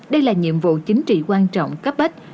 đây là nhiệm vụ chính trị quan trọng cấp bách